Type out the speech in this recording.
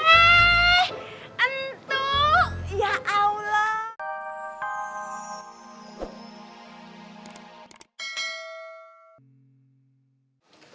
eh entuh ya allah